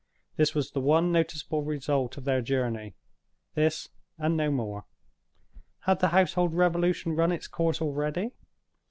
This was the one noticeable result of their journey—this, and no more. Had the household revolution run its course already?